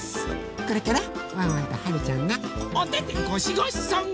これからワンワンとはるちゃんがおててごしごしソングをうたっちゃいます！